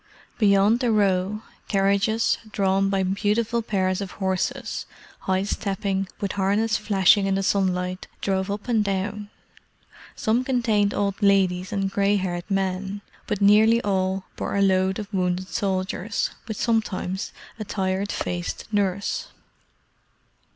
Beyond the Row, carriages, drawn by beautiful pairs of horses, high stepping, with harness flashing in the sunlight, drove up and down. Some contained old ladies and grey haired men; but nearly all bore a load of wounded soldiers, with sometimes a tired faced nurse.